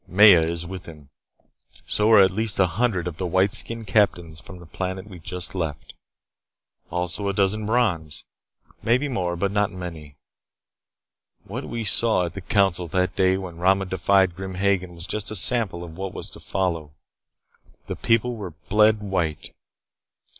Maya is with him. So are at least a hundred of the white skinned captains from the planet we just left. Also, a dozen Brons. Maybe more, but not many. What we saw at the council that day when Rama defied Grim Hagen was just a sample of what was to follow. The people were bled white.